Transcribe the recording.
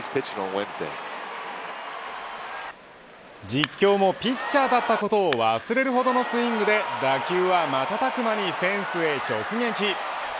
実況もピッチャーだったことを忘れるほどのスイングで打球は瞬く間にフェンスに直撃。